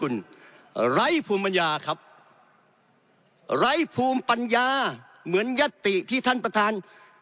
ไร้ภูมิปัญญาครับไร้ภูมิปัญญาเหมือนยัตติที่ท่านประธาน